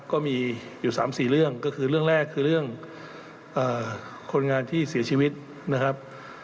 ก็มีอยู่๓๔เรื่องก็คือเรื่องแรกคือเรื่องคนงานที่เสียชีวิตนะครับ